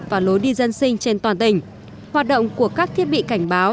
và lối đi dân sinh trên toàn tỉnh hoạt động của các thiết bị cảnh báo